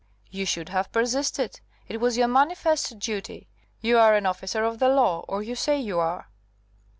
"You should have persisted. It was your manifest duty. You are an officer of the law, or you say you are."